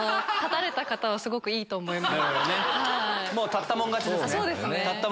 立ったもん勝ちですね。